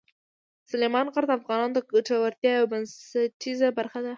سلیمان غر د افغانانو د ګټورتیا یوه بنسټیزه برخه ده.